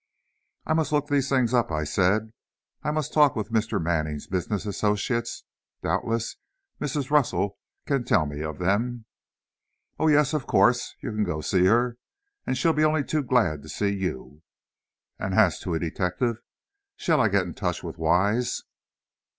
"I must look these things up," I said; "I must talk with Mr. Manning's business associates, doubtless Mrs. Russell can tell me of them." "Oh, yes, of course. You go to see her, and she'll be only too glad to see you." "And as to a detective? Shall I get in touch with Wise?"